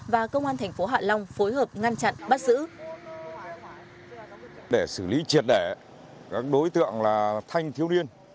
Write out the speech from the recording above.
và công an thành phố hạ long phối hợp ngăn chặn bắt giữ